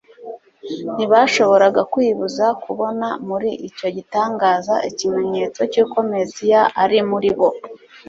ntibashoboraga kwibuza kubona muri icyo gitangaza ikimenyetso cy'uko Mesiya ari muri bo.